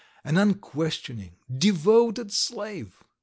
... An unquestioning, devoted slave!